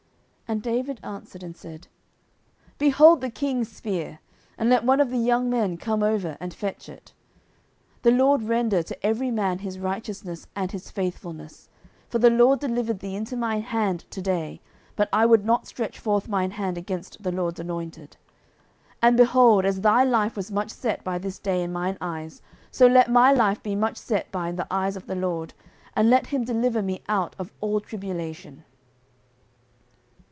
09:026:022 And David answered and said, Behold the king's spear! and let one of the young men come over and fetch it. 09:026:023 The LORD render to every man his righteousness and his faithfulness; for the LORD delivered thee into my hand to day, but I would not stretch forth mine hand against the LORD's anointed. 09:026:024 And, behold, as thy life was much set by this day in mine eyes, so let my life be much set by in the eyes of the LORD, and let him deliver me out of all tribulation.